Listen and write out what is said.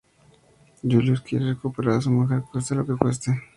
Julius quiere recuperar a su mujer cueste lo que cueste.